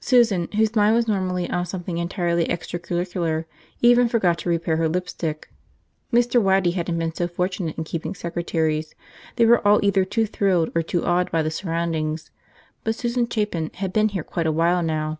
Susan, whose mind was normally on something entirely extracurricular, even forgot to repair her lipstick. Mr. Waddy hadn't been so fortunate in keeping secretaries – they were all either too thrilled or too awed by the surroundings – but Susan Chapin had been here quite a while now.